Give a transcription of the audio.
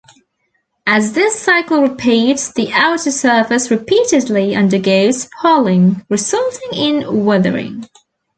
As this cycle repeats the outer surface repeatedly undergoes spalling, resulting in weathering.